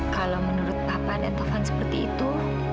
kalau menurut papa dan tafan seperti itu